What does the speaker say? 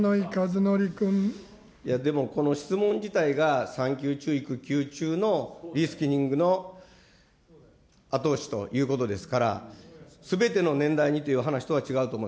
でもこの質問自体が、産休中、育休中のリスキリングの後押しということですから、すべての年代にという話とは違うと思う。